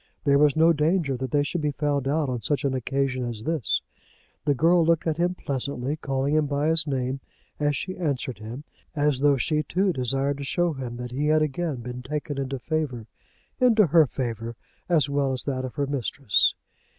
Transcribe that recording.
There was no danger that they should be found out on such an occasion as this. The girl looked at him pleasantly, calling him by his name as she answered him, as though she too desired to show him that he had again been taken into favour, into her favour as well as that of her mistress.